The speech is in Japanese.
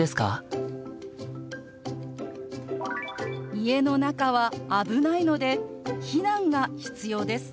「家の中は危ないので避難が必要です」。